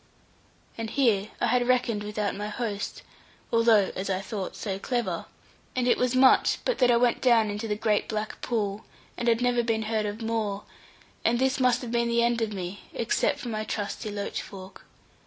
And here I had reckoned without my host, although (as I thought) so clever; and it was much but that I went down into the great black pool, and had never been heard of more; and this must have been the end of me, except for my trusty loach fork.